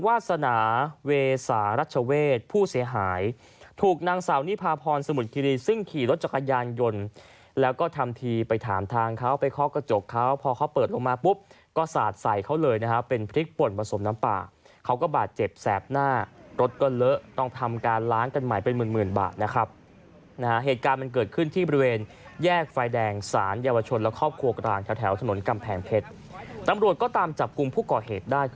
เวสารัชเวชผู้เสียหายถูกนางสาวนิพาพรสมุทรคิรีซึ่งขี่รถจักรยานยนต์แล้วก็ทำทีไปถามทางเขาไปคอกกระจกเขาพอเขาเปิดลงมาปุ๊บก็สาดใส่เขาเลยนะฮะเป็นพริกป่นผสมน้ำปลาเขาก็บาดเจ็บแสบหน้ารถก็เลอะต้องทำการล้านกันใหม่เป็นหมื่นหมื่นบาทนะครับนะฮะเหตุการณ์มันเกิดขึ้นที่บริเวณแยกไ